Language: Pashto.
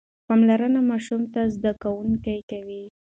پاملرنه ماشوم زده کوونکی کوي.